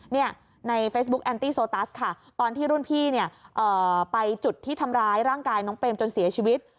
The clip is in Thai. ในเฟซบุ๊กแอนตี้โซตัสค่ะตอนที่รุ่นพี่เนี่ยไปจุดที่ทำร้ายร่างกายน้องเปมจนเสียชีวิต